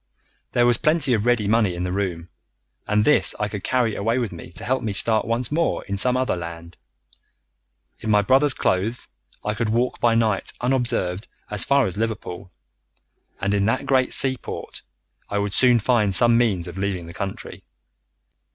There was plenty of ready money in the room, and this I could carry away with me to help me to start once more in some other land. In my brother's clothes I could walk by night unobserved as far as Liverpool, and in that great seaport I would soon find some means of leaving the country.